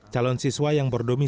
calon siswa yang berdomisil